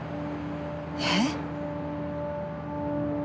えっ！？